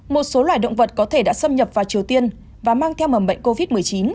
một số loài động vật có thể đã xâm nhập vào triều tiên và mang theo mầm bệnh covid một mươi chín